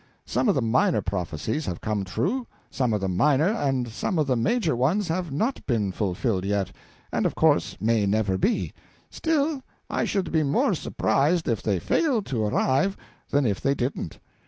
Some of the minor prophecies have come true; some of the minor and some of the major ones have not been fulfilled yet, and of course may never be: still, I should be more surprised if they failed to arrive than if they didn't."